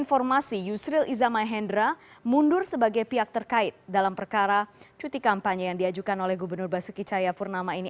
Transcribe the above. informasi yusril iza mahendra mundur sebagai pihak terkait dalam perkara cuti kampanye yang diajukan oleh gubernur basuki cahayapurnama ini